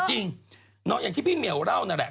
หนอย่างที่พี่เมลเล่านะแหละ